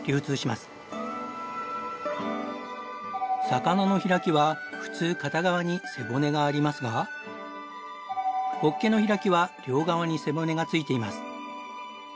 魚の開きは普通片側に背骨がありますがホッケの開きは両側に背骨が付いています。